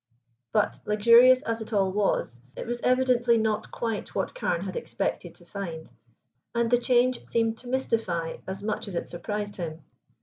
But, luxurious as it all was, it was evidently not quite what Carne had expected to find, and the change seemed to mystify as much as it surprised him.